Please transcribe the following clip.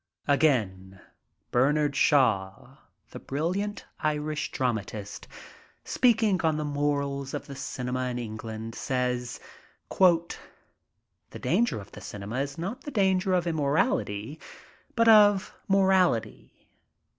Again Bernard Shaw, the brilliant Irish dramatist, speaking on the morals of the Cinema in England, says: "... The danger of the cinema is not the danger of immorality, but of morality